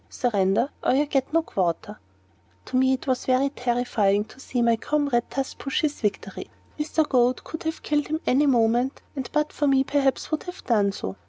Surrender, or you get no quarter." To me it was quite terrifying to see my comrade thus push his victory. Mr. Goad could have killed him at any moment, and but for me perhaps would have done so.